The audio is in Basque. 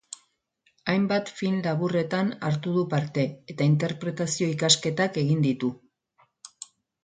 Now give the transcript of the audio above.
Hainbat film laburretan hartu du parte eta interpretazio ikasketak egin ditu.